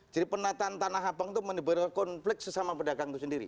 jadi penataan tanah apang itu menimbulkan konflik sesama pedagang itu sendiri